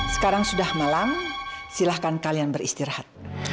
sekarang sudah malam silahkan kalian beristirahat